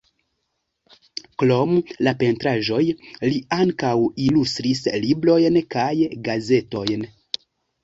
Krom la pentraĵoj li ankaŭ ilustris librojn kaj gazetojn.